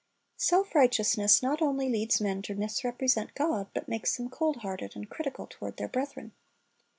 Self righteousness not only leads men to misrepresent God, but makes them cold hearted and critical toward their brethren.